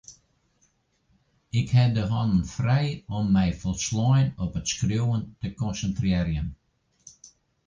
Ik ha de hannen frij om my folslein op it skriuwen te konsintrearjen.